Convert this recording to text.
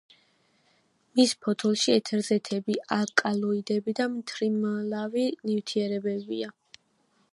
მის ფოთოლში ეთერზეთები, ალკალოიდები და მთრიმლავი ნივთიერებებია.